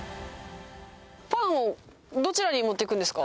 パンをどちらに持っていくんですか？